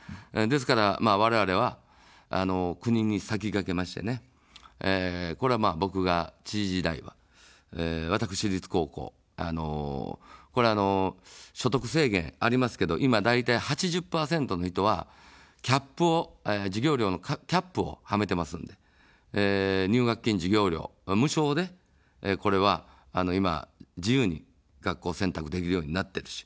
ですから、われわれは国に先駆けましてね、これは僕が知事時代は、私立高校、これは所得制限ありますけど、今大体８０％の人は、授業料のキャップをはめてますので、入学金、授業料無償でこれは今、自由に学校選択できるようになってるし。